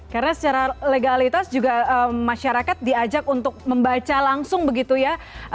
karena secara legalitas juga masyarakat diajak untuk membaca langsung begitu ya